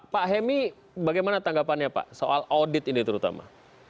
pak hemi bagaimana tanggapannya pak soal audit ini terutama